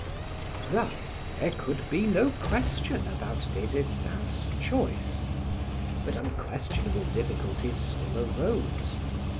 Thus, there could be no question about Des Esseintes' choice, but unquestionable difficulties still arose.